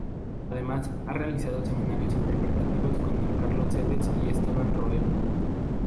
Además, ha realizado seminarios interpretativos con Carlos Sedes y Esteban Roel.